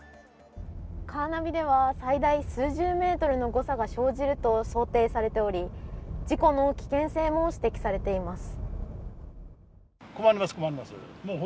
カーナビでは最大数十メートルの誤差が生じると想定されており事故の危険性も指摘されています。